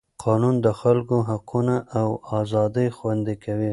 قانون د خلکو حقونه او ازادۍ خوندي کوي.